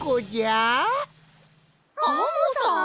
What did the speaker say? アンモさん！？